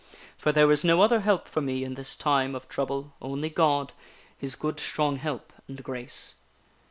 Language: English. For there is no other help for me in this time of trouble only God, His good strong help and grace."